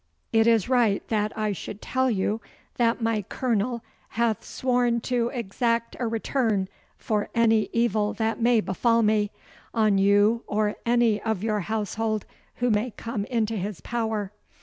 It is right that I should tell you that my Colonel hath sworn to exact a return for any evil that may befall me, on you or any of your household who may come into his power.